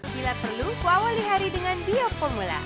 bila perlu kuawali hari dengan bioformula